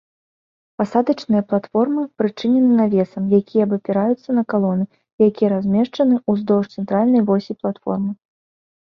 Пасадачная платформа прычынена навесам, якія абапіраюцца на калоны, якія размешчаны ўздоўж цэнтральнай восі платформы.